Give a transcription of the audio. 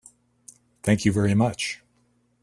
Thank you very much.